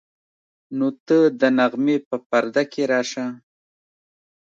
نو ته د نغمې په پرده کې راشه.